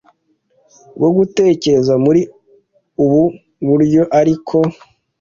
bwo gutekereza muri ubu buryoariko